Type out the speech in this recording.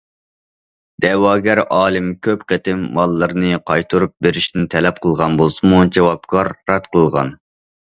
دەۋاگەر ئالىم كۆپ قېتىم ماللىرىنى قايتۇرۇپ بېرىشىنى تەلەپ قىلغان بولسىمۇ، جاۋابكار رەت قىلغان.